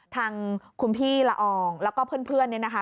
ทางคุณพี่ละอองแล้วก็เพื่อนเนี่ยนะคะ